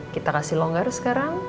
kita kasih kelonggaran sekarang